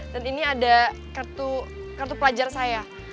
dan ini ada kartu pelajar saya